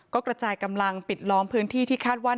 ก็กระจายกำลังปิดล้อมพื้นที่ที่คาดว่า